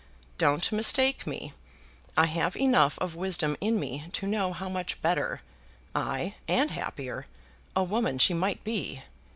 Don't mistake me. I have enough of wisdom in me to know how much better, ay, and happier a woman she might be.